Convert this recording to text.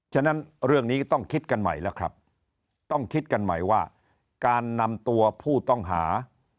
ฉะนั้นเรื่องนี้ต้องคิดกันใหม่แล้วครับต้องคิดกันใหม่ว่าการนำตัวผู้ต้องหา